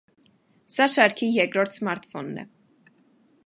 Սա շարքի երկրորդ սմարթֆոնն է։